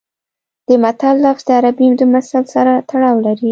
د متل لفظ د عربي د مثل سره تړاو لري